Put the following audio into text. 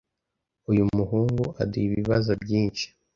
Uyu muhungu aduha ibibazo byinshi.